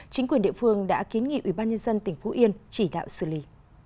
chính quyền địa phương đã kiến nghị ủy ban nhân dân tỉnh phú yên chỉ đạo xử lý